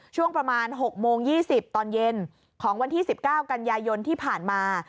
ช่วงประมาณ๖โมง๒๐ตอนเย็นของวันที่๑๙กันยายนที่ผ่านมา